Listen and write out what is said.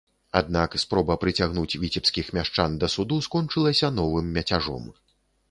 Аднак спроба прыцягнуць віцебскіх мяшчан да суду скончылася новым мяцяжом.